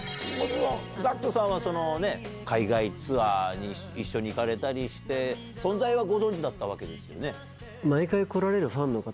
ＧＡＣＫＴさんは海外ツアーに一緒に行かれたりして存在はご存じだったわけですよね。